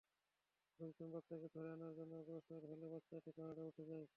লোকজন বাচ্চাকে ধরে আনার জন্যে অগ্রসর হলে বাচ্চাটি পাহাড়ে উঠে যায়।